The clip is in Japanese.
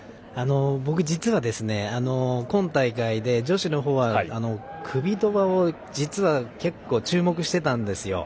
僕、今大会で女子の方はクビトバを実は結構注目していたんですよ。